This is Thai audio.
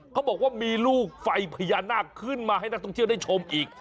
เขาบอกว่ามีลูกไฟพญานาคขึ้นมาให้นักท่องเที่ยวได้ชมอีก